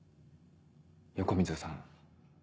横溝さん。